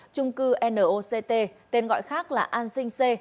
trung cư noct tên gọi khác là an sinh c